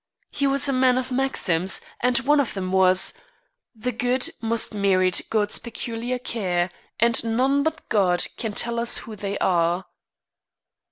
He was a man of maxims, and one of them was: "The good must merit God's peculiar care, And none but God can tell us who they are."